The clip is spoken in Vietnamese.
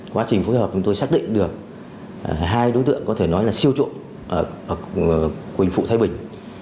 quá trình phối hợp chúng tôi xác định được hai đối tượng có thể nói là siêu trộm ở quỳnh phụ thái bình